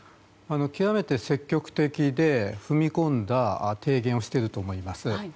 極めて積極的で踏み込んだ提言をしていると思います。